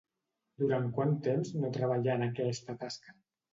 Durant quant temps no treballà en aquesta tasca?